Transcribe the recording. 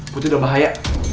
putri udah bahaya